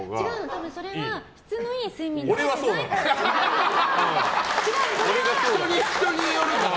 多分それは質のいい睡眠とれていないから。